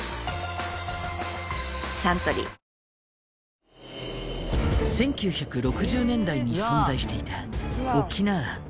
サントリー１９６０年代に存在していた翁庵。